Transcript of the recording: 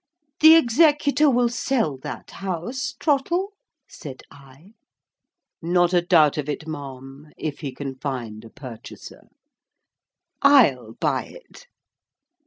"The executor will sell that House, Trottle?" said I. "Not a doubt of it, ma'am, if he can find a purchaser." "I'll buy it."